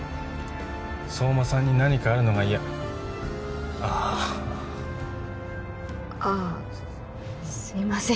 相馬さんに何かあるのが嫌ああああすみません